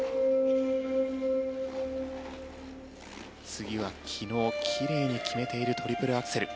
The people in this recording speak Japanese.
次は昨日、奇麗に決めているトリプルアクセル。